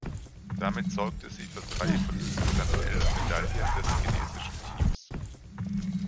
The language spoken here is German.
Damit sorgte sie für drei von insgesamt elf Medaillen des chinesischen Teams.